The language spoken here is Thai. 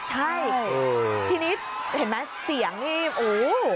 ใช่ทีนี้เห็นไหมเสียงนี่อู้